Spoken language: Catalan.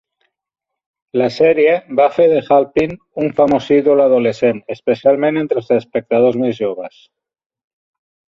La sèrie va fer de Halpin un famós ídol adolescent, especialment entre els espectadors més joves.